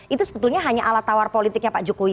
itu sebetulnya hanya alat tawar politiknya pak jokowi